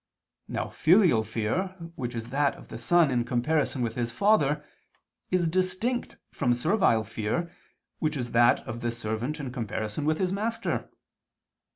Now filial fear, which is that of the son in comparison with his father, is distinct from servile fear, which is that of the servant in comparison with his master.